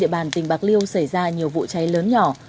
địa bàn tỉnh bạc liêu xảy ra nhiều vụ cháy lớn nhỏ